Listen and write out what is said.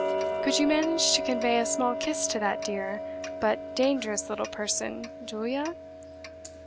Could you manage to convey a small kiss to that dear, but dangerous little person, Julia?